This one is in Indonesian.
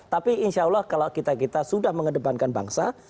tapi insya allah kalau kita kita sudah mengedepankan bangsa